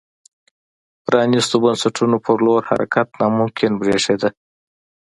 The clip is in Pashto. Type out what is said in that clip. پرانیستو بنسټونو په لور حرکت ناممکن برېښېده.